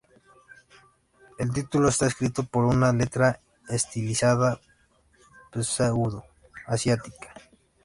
El título está escrito con una letra estilizada pseudo asiática.